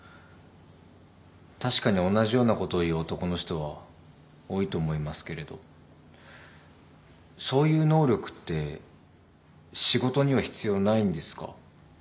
確かにおんなじようなことを言う男の人は多いと思いますけれどそういう能力って仕事には必要ないんですか？